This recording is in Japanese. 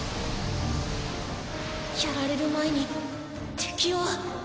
やられる前に敵を。